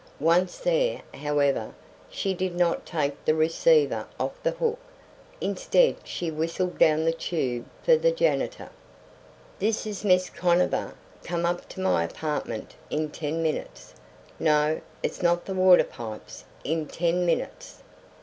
Once there, however, she did not take the receiver off the hook. Instead she whistled down the tube for the janitor. "This is Miss Conover. Come up to my apartment in ten minutes.... No; it's not the water pipes.... In ten minutes."